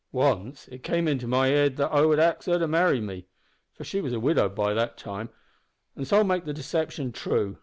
Once it came into my head I would ax her to marry me for she was a widow by that time an' so make the deception true.